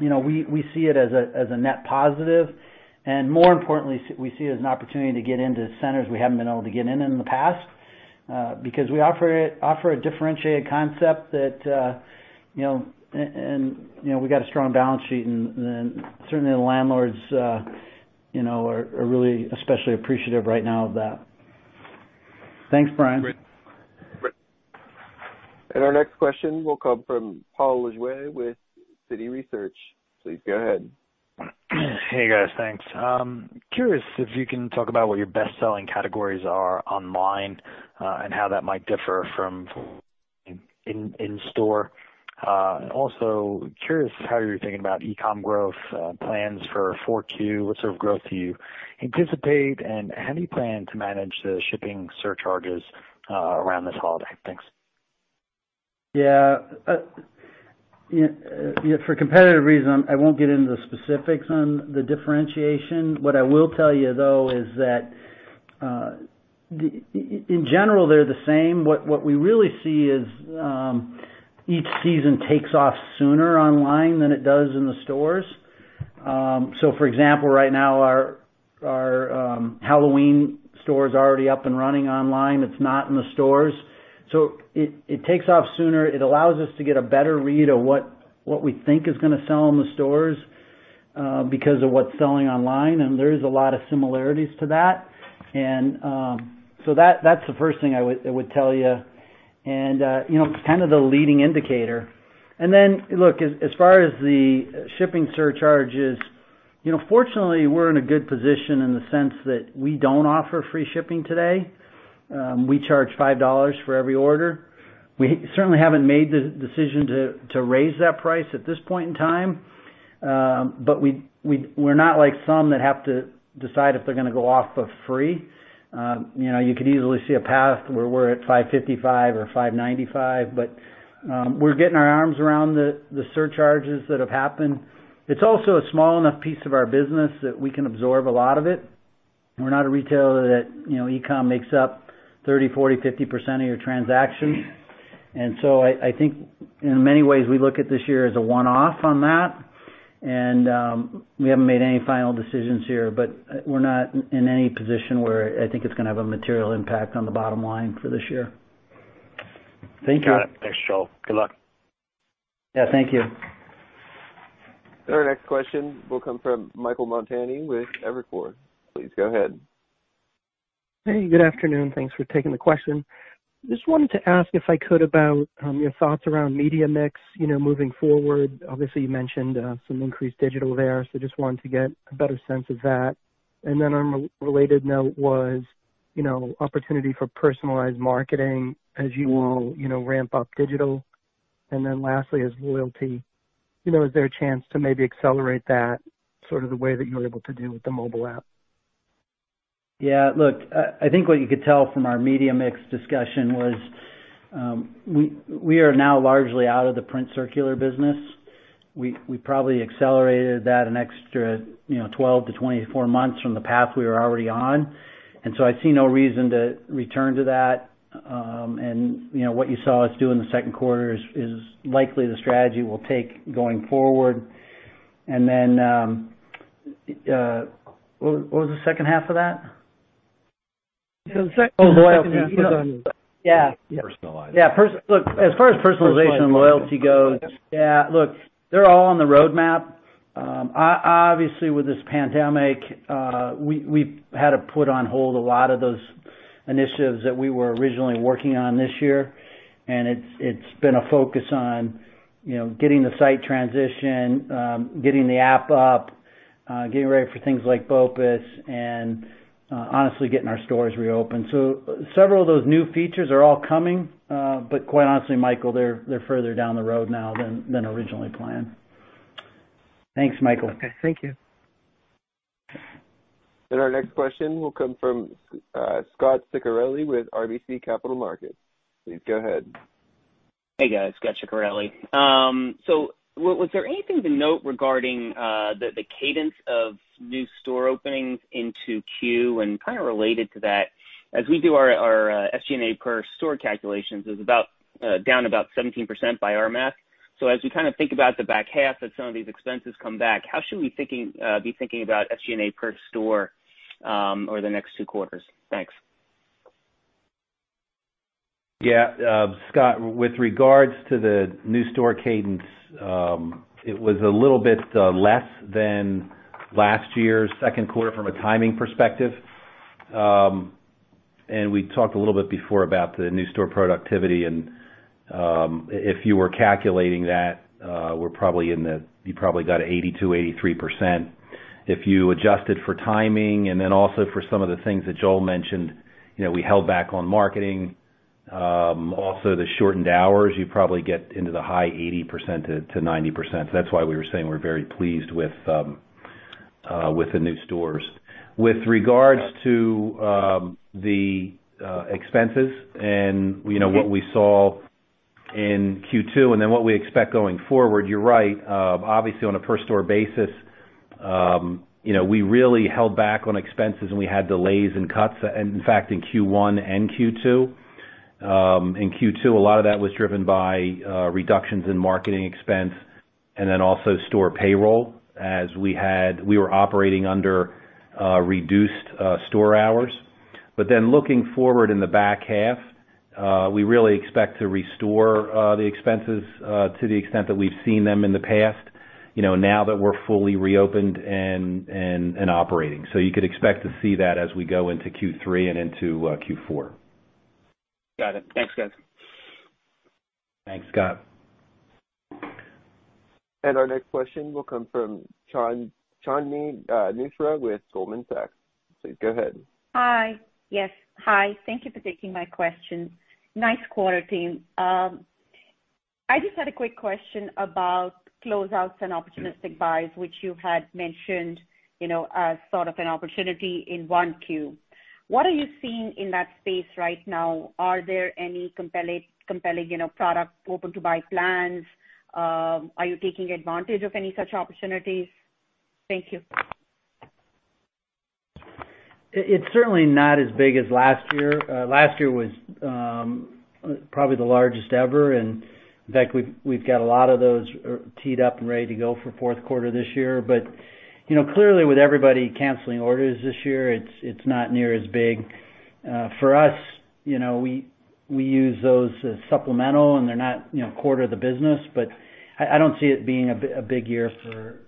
You know, we see it as a net positive and, more importantly, we see it as an opportunity to get into centers we haven't been able to get in in the past because we offer a differentiated concept that, you know, and, you know, we got a strong balance sheet. Certainly the landlords, you know, are really especially appreciative right now of that. Thanks, Brian. Our next question will come from Paul Lejuez with Citi Research. Please go ahead. Hey guys. Thanks. Curious if you can talk about what your best selling categories are online and how that might differ from in-store. Also curious how you're thinking about e-com growth plans for Q4. What sort of growth do you anticipate and how do you plan to manage the shipping surcharges around this holiday? Thanks. Yeah. For competitive reasons, I won't get into the specifics on the differentiation. What I will tell you though is that in general they're the same. What we really see is each season takes off sooner online than it does in the stores. For example, right now our Halloween store is already up and running online. It's not in the stores, so it takes off sooner. It allows us to get a better read of what we think is going to sell in the stores because of what's selling online. There is a lot of similarities to that. That is the first thing I would tell you, and it is kind of the leading indicator. Look, as far as the shipping surcharges, fortunately we are in a good position in the sense that we do not offer free shipping today. We charge $5 for every order. We certainly have not made the decision to raise that price at this point in time. We are not like some that have to decide if they are going to go off of free. You could easily see a path where we are at $5.55 or $5.95, but we are getting our arms around the surcharges that have happened. It is also a small enough piece of our business that we can absorb a lot of it. We are not a retailer that e-com makes up 30%, 40%, 50% of your transactions. I think in many ways we look at this year as a one off on that and we have not made any final decisions here, but we are not in any position where I think it is going to have a material impact on the bottom line for this year. Thank you. Thanks, Joel. Good luck. Yeah, thank you. Our next question will come from Michael Montani with Evercore. Please go ahead. Hey, good afternoon. Thanks for taking the question. Just wanted to ask if I could about your thoughts around Media Mix, you know, moving forward. Obviously you mentioned some increased digital there, so just wanted to get a better sense of that. On a related note was, you know, opportunity for personalized marketing as you will, you know, ramp up digital. Lastly is loyalty, you know, is there a chance to maybe accelerate that sort of the way that you were able to do with the mobile app? Yeah, look, I think what you could tell from our Media Mix discussion was we are now largely out of the print circular business. We probably accelerated that an extra 12-24 months from the path we were already on. I see no reason to return to that. You know, what you saw us do in the second quarter is likely the strategy we will take going forward. What was the second half of that? Yeah, look, as far as personalization and loyalty goes. Yeah, look, they are all on the roadmap. Obviously with this pandemic, we had to put on hold a lot of those initiatives that we were originally working on this year. It has been a focus on getting the site transition, getting the app up, getting ready for things like BOPIS and honestly getting our stores reopened. Several of those new features are all coming. Quite honestly, Michael, they are further down the road now than originally planned. Thanks, Michael. Okay, thank you. Our next question will come from Scot Ciccarelli with RBC Capital Markets. Please go ahead. Hey, guys. Scot Ciccarelli. Was there anything to note regarding the cadence of new store openings in 2Q? Kind of related to that, as we do our SG&A per store calculations, it is down about 17% by our math. As we kind of think about the back half, that some of these expenses come back, how should we be thinking about SG&A per store over the next two quarters? Thanks. Yeah, Scot, with regards to the new store cadence, it was a little bit less than last year's second quarter from a timing perspective. We talked a little bit before about the new store productivity. If you were calculating that, we're probably in the, you probably got 82%, 83% if you adjusted for timing. Also, for some of the things that Joel mentioned, we held back on marketing. Also the shortened hours, you probably get into the high 80%-90%. That's why we were saying we're very pleased with the new stores with regards to the expenses and what we saw in Q2 and then what we expect going forward. You're right. Obviously, on a per store basis, we really held back on expenses and we had delays and cuts in fact, in Q1 and Q2. In Q2, a lot of that was driven by reductions in marketing expenses and then also store payroll. As we had, we were operating under reduced store hours. You know, now that we're fully reopened and operating, looking forward in the back half, we really expect to restore the expenses to the extent that we've seen them in the past. You could expect to see that as we go into Q3 and into Q4. Got it. Thanks, guys. Thanks, Scot. Our next question will come from Shalini Mishra with Goldman Sachs. Please go ahead. Hi. Yes, hi. Thank you for taking my question. Nice quarter, team. I just had a quick question about closeouts and opportunistic buys, which you had mentioned as sort of an opportunity in Q1. What are you seeing in that space right now? Are there any compelling product open to buy plans? Are you taking advantage of any such opportunities? Thank you. It's certainly not as big as last year. Last year was probably the largest ever and in fact, we've got a lot of those teed up and ready to go for fourth quarter this year. You know, clearly with everybody canceling orders this year, it's not near as big for us. You know, we use those as supplemental and they're not core of the business. I don't see it being a big year for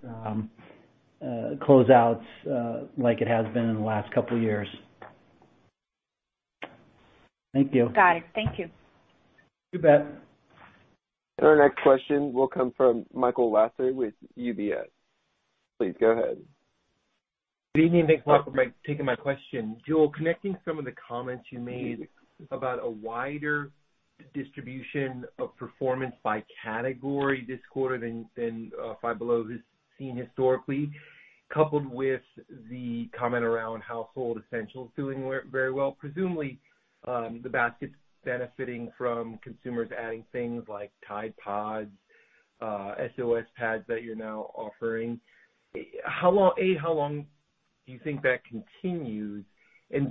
closeouts like it has been in the last couple years. Thank you. Got it. Thank you. You bet. Our next question will come from Michael Lasser with UBS. Please go ahead. Good evening. Thanks a lot for taking my question. Connecting some of the comments you made about a wider distribution of performance by category this quarter than Five Below has seen historically, coupled with the comment around household essentials doing very well. Presumably the basket's benefiting from consumers adding things like Tide pods, SOS pads that you're now offering. A, how long do you think that continues?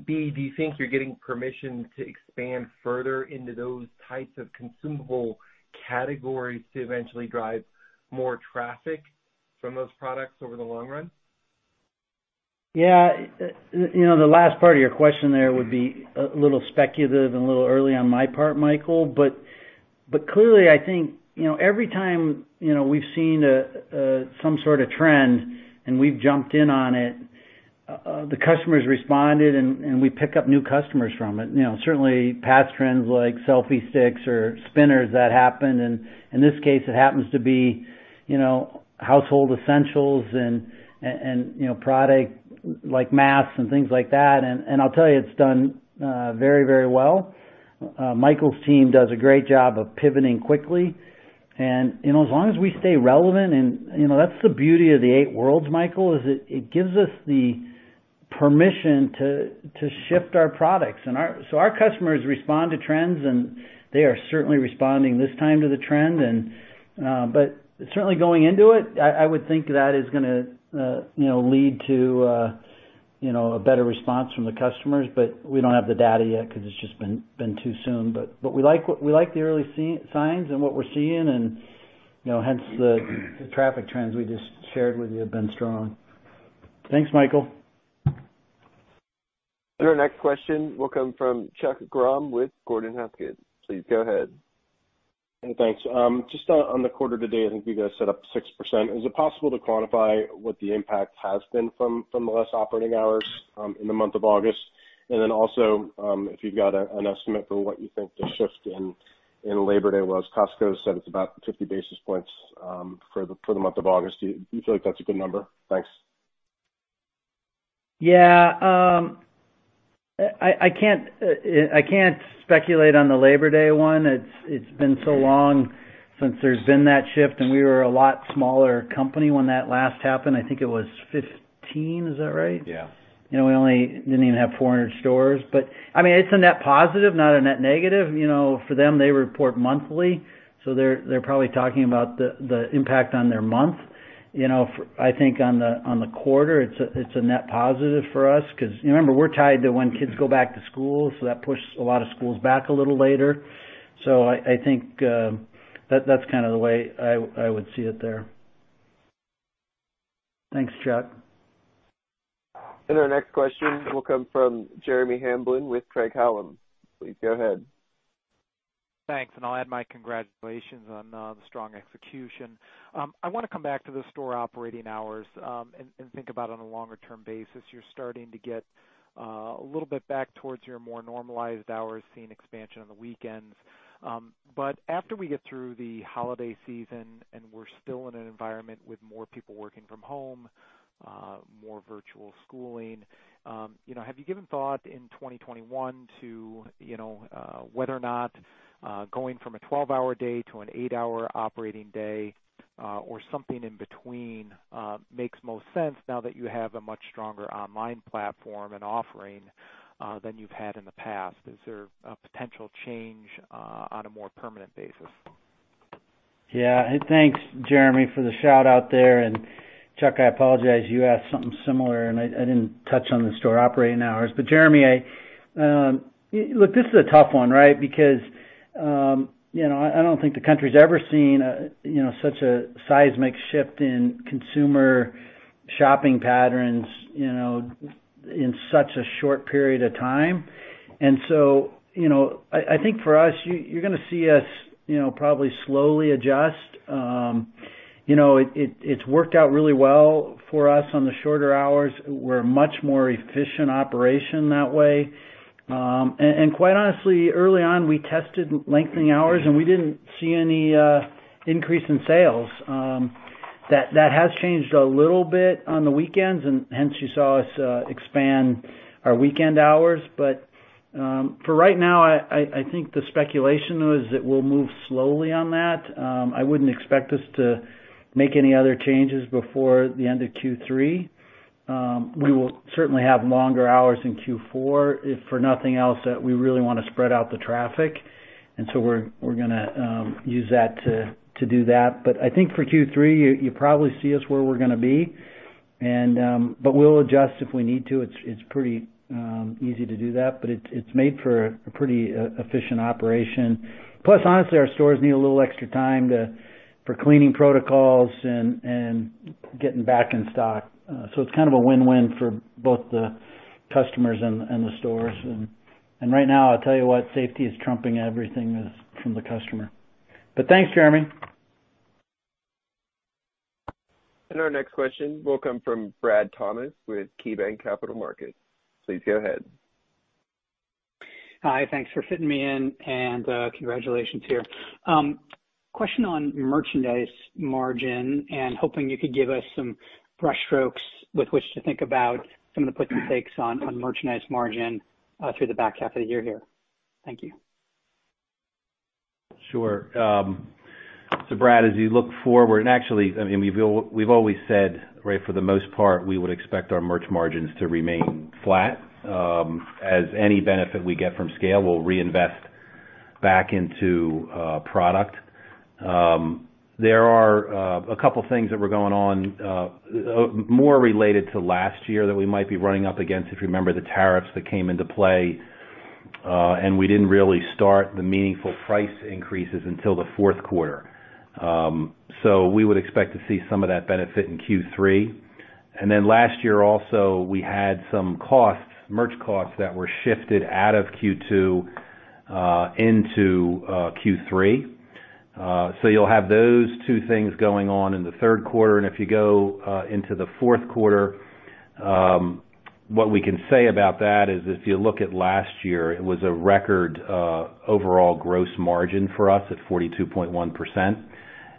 B, do you think you're getting permission to expand further into those types of consumable categories to eventually drive more traffic from those products over the long run? Yeah. You know, the last part of your question there would be a little speculative and a little early on my part, Michael, but clearly I think every time we've seen some sort of trend and we've jumped in on it, the customers responded and we pick up new customers from it. Certainly past trends like selfie sticks or spinners that happened. In this case it happens to be household essentials and product like masks and things like that. I'll tell you, it's done very, very well. Michael's team does a great job of pivoting quickly and as long as we stay relevant and you know, that's the beauty of the eight worlds, Michael, it gives us the permission to shift our products so our customers respond to trends and they are certainly responding this time to the trend. Certainly going into it, I would think that is going to lead to a better response from the customers. We do not have the data yet because it has just been too soon. We like the early signs and what we are seeing, and the traffic trends we just shared with you have been strong. Thanks, Michael. Our next question will come from Chuck Grom with Gordon Haskett. Please go ahead. Thanks. Just on the quarter today, I think you guys set up 6%. Is it possible to quantify what the impact has been from the last operating hours in the month of August? If you've got an estimate for what you think the shift in Labor Day was, Costco said it's about 50 basis points for the month of August. Do you feel like that's a good number? Thanks. Yeah. I can't speculate on the Labor Day one. It's been so long since there's been that shift and we were a lot smaller company when that last happened, I think it was 2015. Is that right? Yeah. You know, we only didn't even have 400 stores. I mean, it's a net positive, not a net negative. You know, for them, they report monthly. So they're probably talking about the impact on their month. I think on the quarter it's a net positive for us because remember, we're tied to when kids go back to school. That pushes a lot of schools back a little later. I think that's kind of the way I would see it there. Thanks, Chuck. Our next question will come from Jeremy Hamblin with Craig-Hallum. Please go ahead. Thanks. I will add my congratulations on the strong execution. I want to come back to the store operating hours and think about on a longer term basis, you are starting to get a little bit back towards your more normalized hours, seeing expansion on the weekends. After we get through the holiday season and we are still in an environment with more people working from home, more virtual schooling, have you given thought in 2021 to whether or not going from a 12 hour day to an 8 hour operating day or something in between makes most sense now that you have a much stronger online platform and offering than you have had in the past. Is there a potential change on a more permanent basis? Yeah. Thanks Jeremy for the shout out there. Chuck, I apologize, you asked something similar and I did not touch on the store operating hours. Jeremy, look, this is a tough one, right, because I do not think the country's ever seen such a seismic shift in consumer shopping patterns in such a short period of time. I think for us you're going to see us probably slowly adjust. It's worked out really well for us on the shorter hours. We're a much more efficient operation that way. Quite honestly, early on we tested lengthening hours and we did not see any increase in sales. That has changed a little bit on the weekends and hence you saw us expand our weekend hours. For right now, I think the speculation is that we'll move slowly on that. I would not expect us to make any other changes before the end of Q3. We will certainly have longer hours in Q4 if for nothing else, that we really want to spread out the traffic and so we're going to use that to do that. I think for Q3 you probably see us where we're going to be, but we'll adjust if we need to. It's pretty easy to do that, but it's made for a pretty efficient operation. Plus, honestly, our stores need a little extra time for cleaning protocols and getting back in stock. It's kind of a win win for both the customers and the stores. Right now I'll tell you what, safety is trumping everything from the customer. Thanks, Jeremy. Our next question will come from Brad Thomas with KeyBanc Capital Markets. Please go ahead. Hi. Thanks for fitting me in and congratulations here. Question on merchandise margin and hoping you could give us some brushstrokes with which to think about some of the puts and takes on merchandise margin through the back half of the year here. Thank you. Sure. Brad, as you look forward and actually, I mean we've always said, right, for the most part, we would expect our merch margins to remain flat as any benefit we get from scale, we'll reinvest back into product. There are a couple things that were going on more related to last year that we might be running up against. If you remember the tariffs that came into play and we didn't really start the meaningful price increases until the fourth quarter. We would expect to see some of that benefit in Q3. Last year also we had some costs, merch costs, that were shifted out of Q2 into Q3. You'll have those two things going on in the third quarter. If you go into the fourth quarter, what we can say about that is if you look at last year, it was a record overall gross margin for us at 42.1%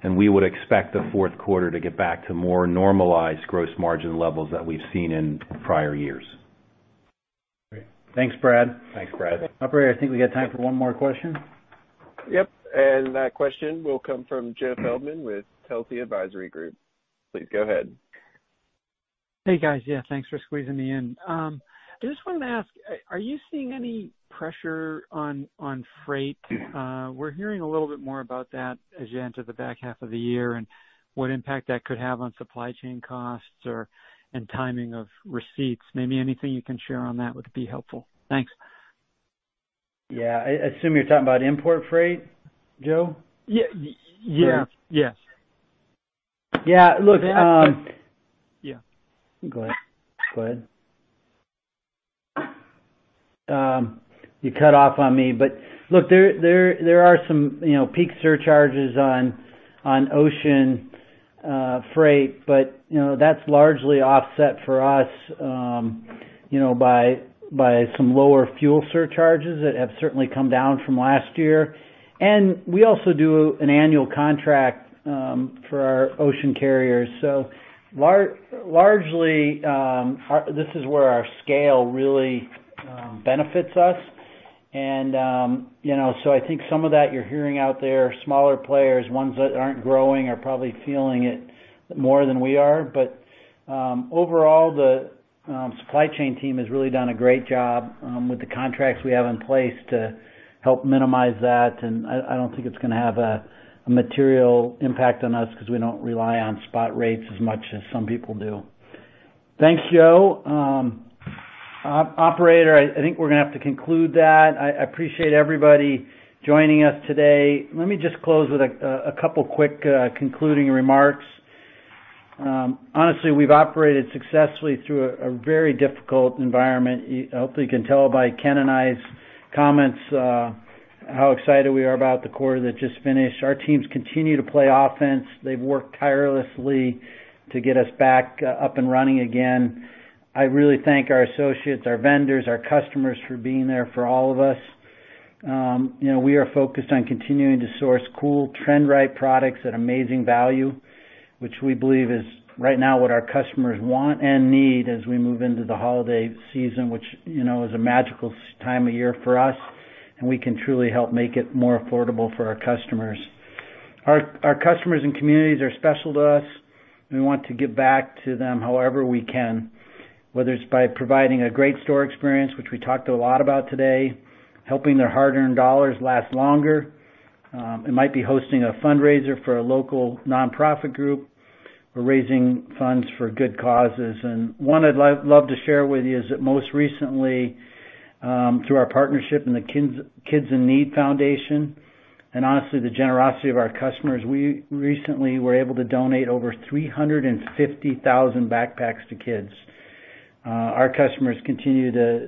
and we would expect the fourth quarter to get back to more normalized gross margin levels that we've seen in prior years. Thanks, Brad. Thanks, Brad. Operator, I think we got time for one more question. Yep. And that question will come from Jeff Feldman with Telsey Advisory Group. Please go ahead. Hey guys. Yeah, thanks for squeezing me in. I just wanted to ask, are you seeing any pressure on freight? We're hearing a little bit more about that as you enter the back half of the year and what impact that could have on supply chain costs or timing of receipts. Maybe anything you can share on that would be helpful. Thanks. Yeah. I assume you're talking about import freight, Jeff? Yeah. Yes. Yeah, look, go ahead. You cut off on me. Look, there are some, you know, peak surcharges on ocean freight, but that's largely offset for us by some lower fuel surcharges that have certainly come down from last year. We also do an annual contract for our ocean carriers. Largely this is where our scale really benefits us. You know, I think some of that you're hearing out there, smaller players, ones that aren't growing, are probably feeling it more than we are. Overall, the supply chain team has really done a great job with the contracts we have in place to help minimize that. I don't think it's going to have a material impact on us because we don't rely on spot rates as much as some people do. Thanks, Joe. Operator, I think we're going to have to conclude that. I appreciate everybody joining us today. Let me just close with a couple quick concluding remarks. Honestly, we've operated successfully through a very difficult environment. Hopefully you can tell by Ken and my comments how excited we are about the quarter that just finished. Our teams continue to play offense. They've worked tirelessly to get us back up and running again. I really thank our associates, our vendors, our customers for being there for all of us. We are focused on continuing to source cool trend right products at amazing value, which we believe is right now what our customers want and need. As we move into the holiday season, which is a magical time of year for us, we can truly help make it more affordable for our customers. Our customers and communities are special to us. We want to give back to them however we can, whether it's by providing a great store experience, which we talked a lot about today, helping their hard earned dollars last longer. It might be hosting a fundraiser for a local nonprofit group or raising funds for good causes. One I'd love to share with you is that most recently through our partnership in the Kids in Need Foundation and honestly the generosity of our customers, we recently were able to donate over 350,000 backpacks to kids. Our customers continue to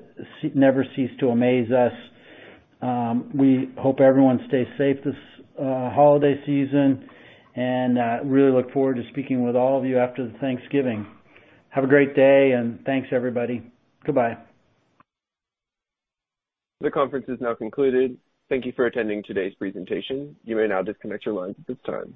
never cease to amaze us. We hope everyone stays safe this holiday season and really look forward to speaking with all of you after the Thanksgiving. Have a great day and thanks everybody. Goodbye. The conference is now concluded. Thank you for attending today's presentation. You may now disconnect your lines at this time.